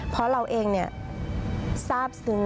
เพราะเราเองทราบซึ้ง